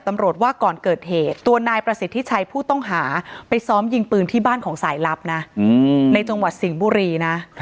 แต่ผู้ต้องหาไปซ้อมยิงปืนที่บ้านของสายลับนะในจังหวัดสิ่งบุรีนะ